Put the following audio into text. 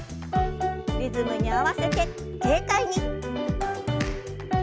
リズムに合わせて軽快に。